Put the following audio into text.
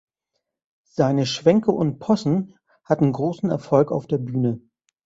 Seine Schwänke und Possen hatten großen Erfolg auf der Bühne.